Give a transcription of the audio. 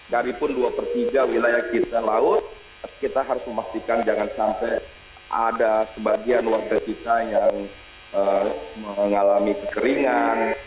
daripun dua per tiga wilayah kita laut kita harus memastikan jangan sampai ada sebagian luar biasa yang mengalami kekeringan